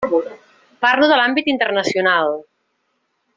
Parlo de l'àmbit internacional.